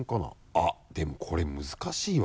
あっでもこれ難しいわ。